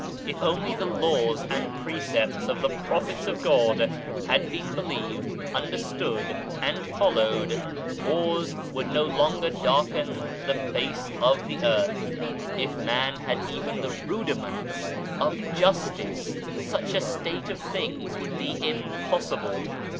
If only the laws and precepts of the prophets of God had been believed, understood and followed, wars would no longer darken the face of the earth. If man had even the rudiments of justice, such a state of things would be impossible.